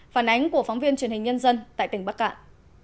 phản ánh của phóng viên truyền hình nhân dân tại tỉnh bắc cạn